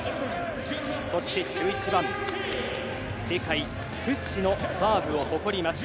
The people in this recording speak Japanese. そして、１１番世界屈指のサーブを誇ります。